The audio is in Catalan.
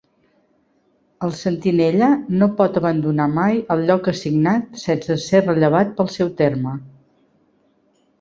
El sentinella no pot abandonar mai el lloc assignat sense ser rellevat pel seu terme.